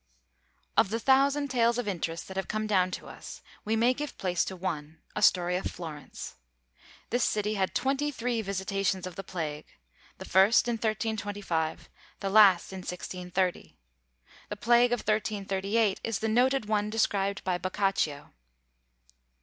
Of the thousand tales of interest that have come down to us, we may give place to one, a story of Florence. This city had twenty three visitations of the plague; the first in 1325, the last in 1630. The plague of 1338 is the noted one described by Boccaccio.